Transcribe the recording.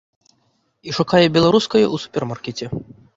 І шукае беларускае ў супермаркеце.